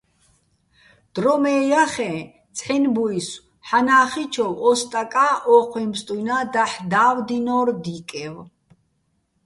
დრო მე ჲახეჼ, ცჰ̦აჲნი̆ ბუჲსო̆ ჰ̦ანა́ხიჩოვ ო სტაკა́ ო́ჴუჲ ბსტუჲნა́ დაჰ̦ და́ვდინო́რ დიკევ.